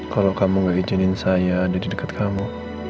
kalau kamu gak izinin saya ada di dekat kamu